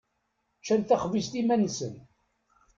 Ččan taxbizt iman-nsen.